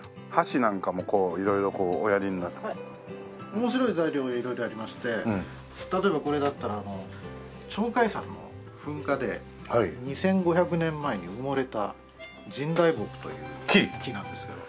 面白い材料色々ありまして例えばこれだったら鳥海山の噴火で２５００年前に埋もれた神代木という木なんですけど。